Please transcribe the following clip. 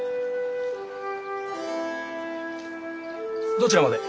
どちらまで？